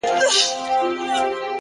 هغه ليوني ټوله زار مات کړی دی;